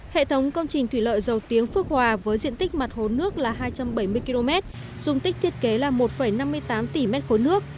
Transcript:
hệ thống công trình thủy lợi dầu tiếng phước hòa với diện tích mặt hồ nước là hai trăm bảy mươi km dùng tích thiết kế là một năm mươi tám tỷ m ba nước